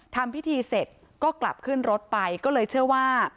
ทำพิธีเสร็จก็กลับขึ้นรถไปก็เลยเชื่อว่า